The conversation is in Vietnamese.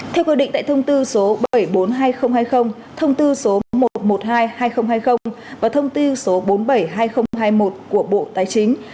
theo quy định tại thông tư số bảy trăm bốn mươi hai nghìn hai mươi thông tư số một trăm một mươi hai hai nghìn hai mươi và thông tư số bốn trăm bảy mươi hai nghìn hai mươi một của bộ tài chính